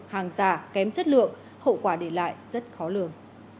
hàng giả kém chất lượng hậu quả để lại rất khó lường